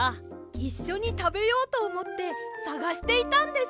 いっしょにたべようとおもってさがしていたんです。